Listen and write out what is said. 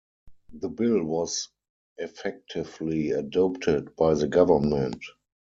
The bill was "effectively adopted" by the Government.